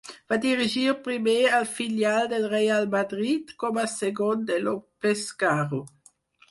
Va dirigir primer al filial del Reial Madrid, com a segon de López Caro.